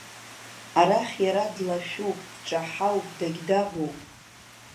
Арахь иара длашәуп, дҿаҳауп, дагьдагәоуп.